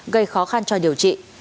gây khó khăn cho điều trị